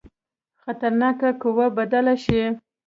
خطرناکه قوه بدل شي.